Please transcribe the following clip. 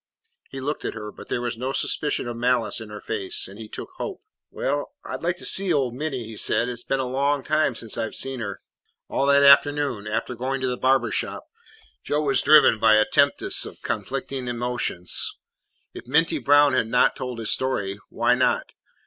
He looked at her, but there was no suspicion of malice in her face, and he took hope. "Well, I 'd like to see old Minty," he said. "It 's been many a long day since I 've seen her." All that afternoon, after going to the barber shop, Joe was driven by a tempest of conflicting emotions. If Minty Brown had not told his story, why not?